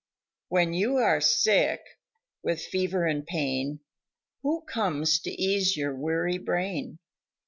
When you are sick with fever and pain, Who comes to ease your weary brain?